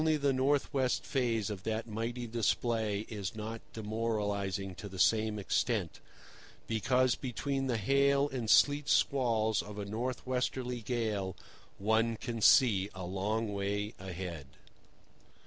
Only the north west phase of that mighty display is not demoralizing to the same extent, because between the hail and sleet squalls of a north westerly gale one can see a long way ahead.